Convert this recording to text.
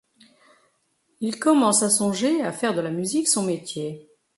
Il commence à songer à faire de la musique son métier.